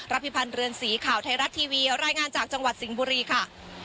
พิพันธ์เรือนสีข่าวไทยรัฐทีวีรายงานจากจังหวัดสิงห์บุรีค่ะ